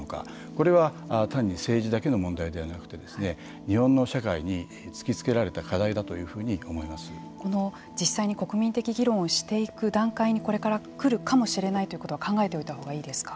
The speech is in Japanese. これは単に政治だけの問題ではなくて日本の社会に突きつけられた実際に国民的議論をしていく段階にこれから来るかもしれないということは考えておいたほうがいいですか。